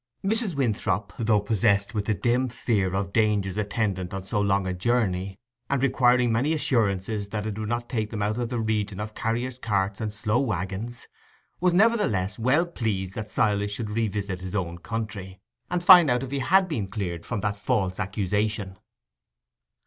Mrs. Winthrop, though possessed with a dim fear of dangers attendant on so long a journey, and requiring many assurances that it would not take them out of the region of carriers' carts and slow waggons, was nevertheless well pleased that Silas should revisit his own country, and find out if he had been cleared from that false accusation.